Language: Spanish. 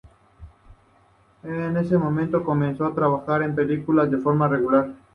En ese momento, comenzó a trabajar en películas de forma regular.